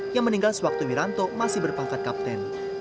yang meninggal sewaktu wiranto masih berpangkat kapten